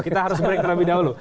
kita harus break terlebih dahulu